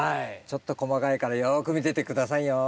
ちょっと細かいからよく見てて下さいよ。